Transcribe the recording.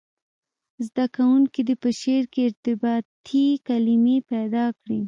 زده کوونکي دې په شعر کې ارتباطي کلمي پیدا کړي.